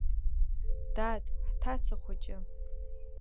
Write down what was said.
Дад, ҳҭаца хәыҷы!